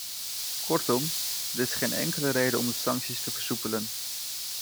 Kortom, er is geen enkele reden om de sancties te versoepelen.